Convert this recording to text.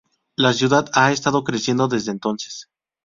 La ciudad ha estado creciendo desde entonces.